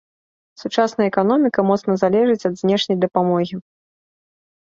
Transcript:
Сучасная эканоміка моцна залежыць ад знешняй дапамогі.